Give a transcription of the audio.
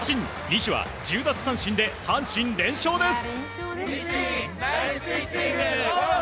西は１０奪三振で阪神連勝です。